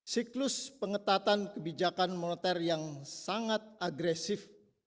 siklus pengetatan kebijakan moneter yang sangat agresif